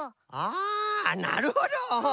あなるほど！